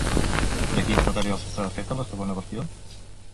De quins materials estava feta la segona versió?